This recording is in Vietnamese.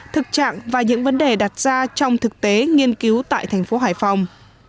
thực trạng và những vấn đề đặt ra trong thực tế nghiên cứu tại thành phố hải phòng